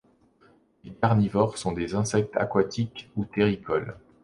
Les carnivores sont des insectes aquatiques ou terricoles.